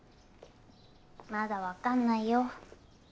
まだ分かんないよ。